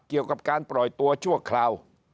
เกี่ยวกับการปล่อยตัวชั่วคราว